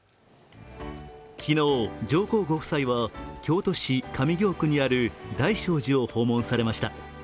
昨日、上皇ご夫妻は京都市上京区にある大聖寺を訪問されました。